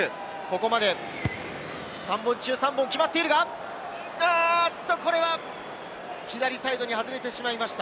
ここまで３本中３本決まっているが、これは左サイドに外れてしまいました。